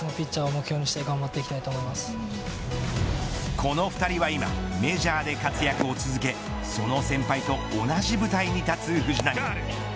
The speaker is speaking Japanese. この２人は今メジャーで活躍を続けその先輩と同じ舞台に立つ藤浪。